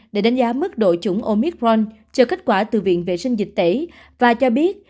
để đánh giá mức đội chủng omicron cho kết quả từ viện vệ sinh dịch tẩy và cho biết